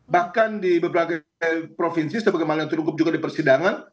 bahkan di beberapa provinsi sebagai malang terungkap juga di persidangan